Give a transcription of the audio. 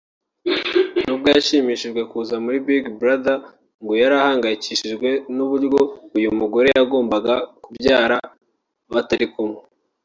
nubwo yishimiye kuza muri Big Brother ngo yari ahangayikishijwe n’uburyo uyu mugore yagombaga kubyara batari kumwe